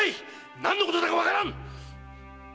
何のことだかわからん‼